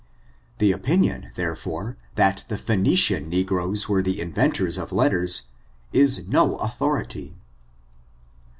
The opinion, therefore, that the Phoenician negroes were the inventors of letters is no authority.